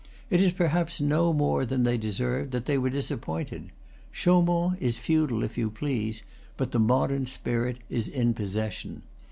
It is perhaps no more than they deserved that they were disappointed. Chau mont is feudal, if you please; but the modern spirit is in possession.